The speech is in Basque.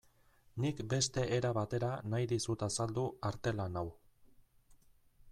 Nik beste era batera nahi dizut azaldu artelan hau.